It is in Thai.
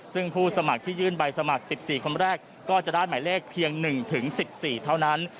ซึ่งผู้สมัครที่ยื่นใบสมัคร๑๔คนแรกก็จะได้หมายเลขเพียง๑๑๔เท่านั้น